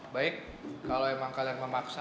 baik kalau emang kalian memaksa